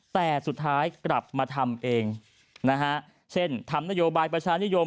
แต่สุดท้ายกลับมาทำเองนะฮะเช่นทำนโยบายประชานิยม